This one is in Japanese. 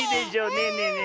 ねえねえねえ。